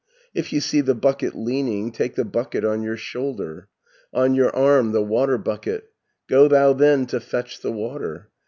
300 "If you see the bucket leaning, Take the bucket on your shoulder, On your arm the water bucket. Go thou then to fetch the water.